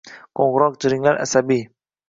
Qoʼngʼiroq jiringlar asabiy.